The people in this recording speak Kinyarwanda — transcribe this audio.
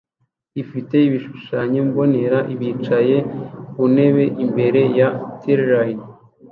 ifite ibishushanyo mbonera bicaye ku ntebe imbere ya treline